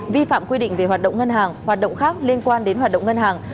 vi phạm quy định về hoạt động ngân hàng hoạt động khác liên quan đến hoạt động ngân hàng